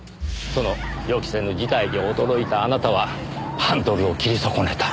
その予期せぬ事態に驚いたあなたはハンドルを切り損ねた。